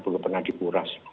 belum pernah dikuras